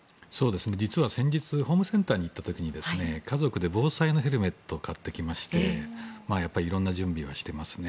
実は先日ホームセンターに行った時に家族で防災のヘルメットを買ってきまして色んな準備はしてますね。